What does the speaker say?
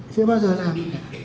sẽ bao giờ làm